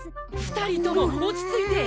２人とも落ち着いて。